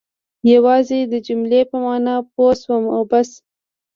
یوازې د جملې په معنا پوه شوم او بس.